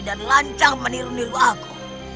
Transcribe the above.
dan lancar meniru niru aku